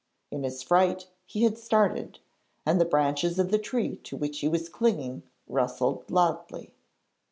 In his fright he had started, and the branches of the tree to which he was clinging rustled loudly.